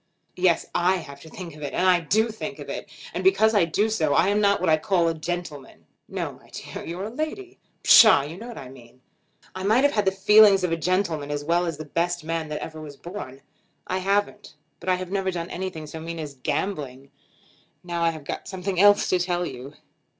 "Yes; I have to think of it, and do think of it; and because I do so I am not what I call a gentleman." "No; my dear; you're a lady." "Psha! you know what I mean. I might have had the feelings of a gentleman as well as the best man that ever was born. I haven't; but I have never done anything so mean as gambling. Now I have got something else to tell you."